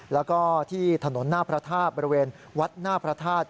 แล้วก็ที่ถนนหน้าพระธาตุบริเวณวัดหน้าพระธาตุ